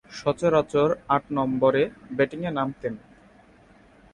সচরাচর আট নম্বরে ব্যাটিংয়ে নামতেন।